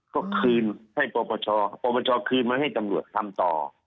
ก็คืนให้ปปชปปชคืนมาให้ตำรวจทำต่อ